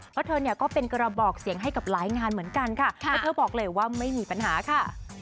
เพราะเธอเนี่ยก็เป็นกระบอกเสียงให้กับหลายงานเหมือนกันค่ะแล้วเธอบอกเลยว่าไม่มีปัญหาค่ะ